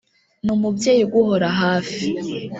ni umubyeyi uguhora hafi,